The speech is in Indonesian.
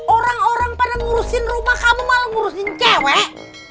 orang orang pada ngurusin rumah kamu malah ngurusin cewek